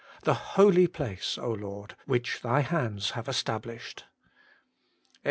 .. The holy place, Lord, which Thy hands have established.' Ex.